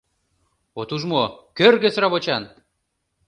— От уж мо, кӧргӧ сравочан!